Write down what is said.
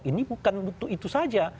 ini bukan itu saja